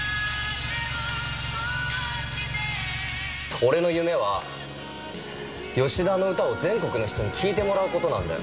俺の夢は、吉田の歌を全国の人に聴いてもらうことなんだよ。